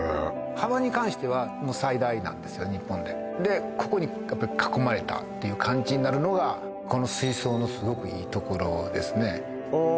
幅にかんしては最大なんですよ日本ででここに囲まれたっていう感じになるのがここの水槽のすごくいいところですねああ